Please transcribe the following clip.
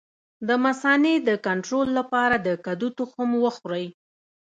د مثانې د کنټرول لپاره د کدو تخم وخورئ